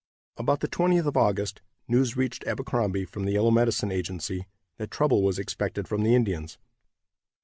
About the 20th of August news reached Abercrombie from the Yellow Medicine agency that trouble was expected from the Indians.